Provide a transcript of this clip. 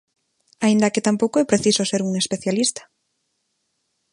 Aínda que tampouco é preciso ser un especialista.